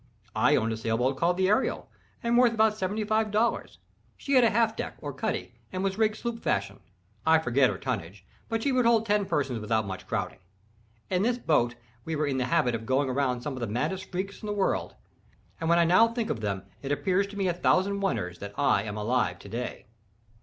I owned a sailboat called the Ariel, and worth about seventy five dollars. She had a half deck or cuddy, and was rigged sloop fashion—I forget her tonnage, but she would hold ten persons without much crowding. In this boat we were in the habit of going on some of the maddest freaks in the world; and, when I now think of them, it appears to me a thousand wonders that I am alive to day.